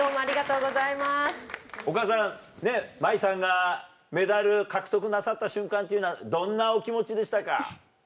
お母さんねっ茉愛さんがメダル獲得なさった瞬間っていうのはどんなお気持ちでしたか？